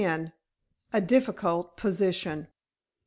A DIFFICULT POSITION.